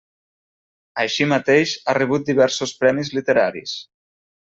Així mateix ha rebut diversos premis literaris.